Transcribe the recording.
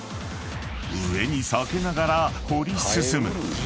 ［上に避けながら掘り進む］